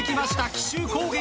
奇襲攻撃！